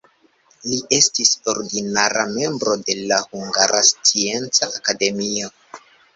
Li estis ordinara membro de Hungara Scienca Akademio.